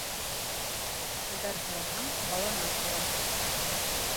Хәбәр һораһаң, баланан һора.